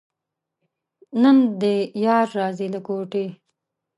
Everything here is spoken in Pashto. نن دې یار راځي له کوټې.